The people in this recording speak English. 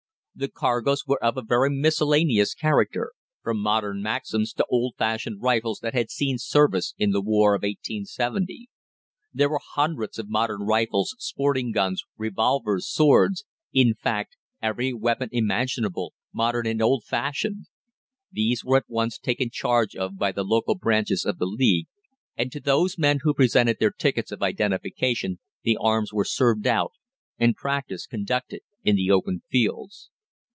The cargoes were of a very miscellaneous character, from modern Maxims to old fashioned rifles that had seen service in the war of 1870. There were hundreds of modern rifles, sporting guns, revolvers, swords in fact, every weapon imaginable, modern and old fashioned. These were at once taken charge of by the local branches of the League, and to those men who presented their tickets of identification the arms were served out, and practice conducted in the open fields.